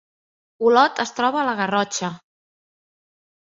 Olot es troba a la Garrotxa